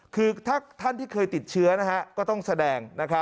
คือถ้าท่านที่เคยติดเชื้อก็ต้องแสดง